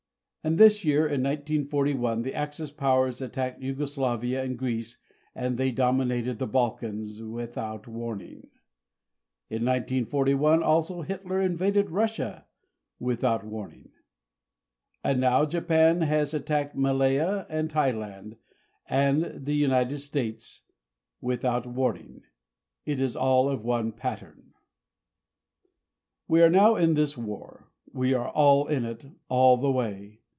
And this year, in 1941, the Axis Powers attacked Yugoslavia and Greece and they dominated the Balkans without warning. In 1941, also, Hitler invaded Russia without warning. And now Japan has attacked Malaya and Thailand and the United States without warning. It is all of one pattern. We are now in this war. We are all in it all the way.